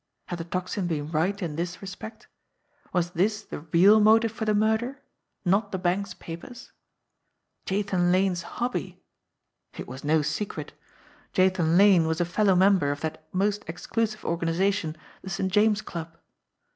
Had the Tocsin been right in this respect ? Was this the real motive for the murder not the bank's papers? Jathan Lane's hobby ! It was no secret. Jathan Lane was a fellow member of that most exclusive organization, the St. James Club.